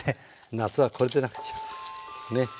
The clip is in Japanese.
夏はこれでなくっちゃ。ね。